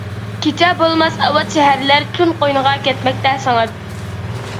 كېچە بولماس ئاۋات شەھەرلەر، تۈن قوينىغا كەتمەكتە سىڭىپ.